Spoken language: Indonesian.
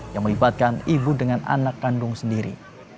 yang melibatkan ibu dengan anak kandung sendiri